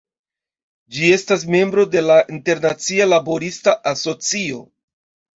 Ĝi estas membro de la Internacia Laborista Asocio.